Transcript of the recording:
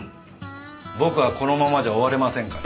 僕はこのままじゃ終われませんから。